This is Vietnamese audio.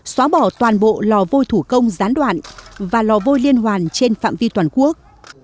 xóa bỏ toàn bộ lò vôi thủ công gián đoạn và lò vôi liên hoàn trên phạm vi toàn quốc